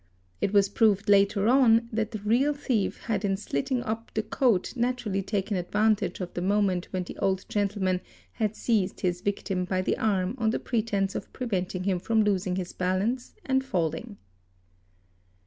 It was proved later on that the real thief had in slitting up the coat | naturally taken advantage of the moment when the "old gentleman "'| ACCOMPLICES 693 "had seized his victim by the arm on the pretence of preventing him from losing his balance and falling.